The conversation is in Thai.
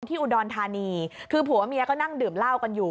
ที่อุดรฐานีคือผู้๊ะเมี๊ยก็นั่งดื่มล้าวกันอยู่